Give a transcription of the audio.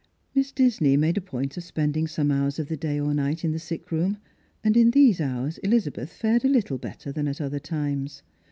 Miss Disney made a point of spending some hours of the day or night in the sick room; and in these hours Elizabeth fared a little better than at other times.